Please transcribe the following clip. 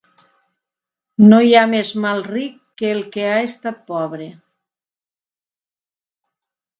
No hi ha més mal ric que el que ha estat pobre.